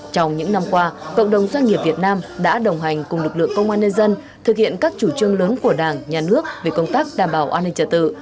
trong những năm qua cộng đồng doanh nghiệp việt nam đã đồng hành cùng lực lượng công an nhân dân thực hiện các chủ trương lớn của đảng nhà nước về công tác đảm bảo an ninh trả tự